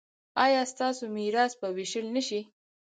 ایا ستاسو میراث به ویشل نه شي؟